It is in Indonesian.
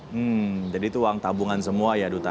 hmm jadi itu uang tabungan semua ya duta